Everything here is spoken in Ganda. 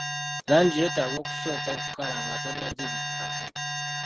Langi yeetaaga okusooka okukala nga tonnagibikka.